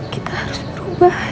kita harus berubah